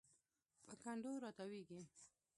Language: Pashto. په کنډو راتاویږي